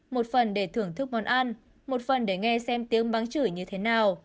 một phần để thưởng thức món ăn một phần để nghe xem tiếng bắn chửi như thế nào